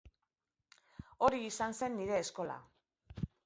Hori izan zen nire eskola.